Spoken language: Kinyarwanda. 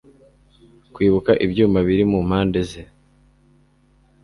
Kwibuka ibyuma biri mu mpande ze